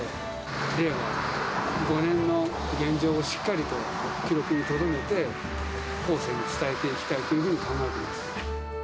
令和５年の現状をしっかりと記録にとどめて、後世に伝えていきたいというふうに考えています。